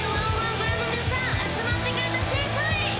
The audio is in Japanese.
ご覧の皆さん集まってくれた清掃員！